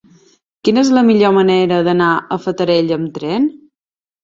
Quina és la millor manera d'anar a la Fatarella amb tren?